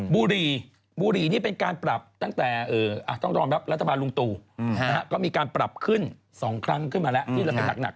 บุรีบุหรี่นี่เป็นการปรับตั้งแต่ต้องยอมรับรัฐบาลลุงตู่ก็มีการปรับขึ้น๒ครั้งขึ้นมาแล้วที่เราไปหนัก